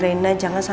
masuk masuk masuk